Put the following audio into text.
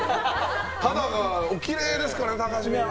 肌がおきれいですから高橋名人。